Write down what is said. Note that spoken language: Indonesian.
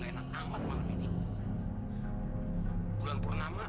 iya makanya buruan banyak ngomong aja